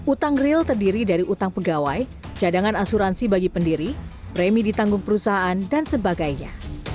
utang real terdiri dari utang pegawai cadangan asuransi bagi pendiri premi ditanggung perusahaan dan sebagainya